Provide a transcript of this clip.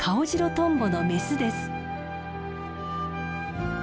トンボのメスです。